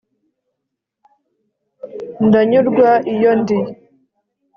ndanyurwa iyo ndi